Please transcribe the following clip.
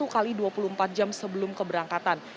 satu x dua puluh empat jam sebelum keberangkatan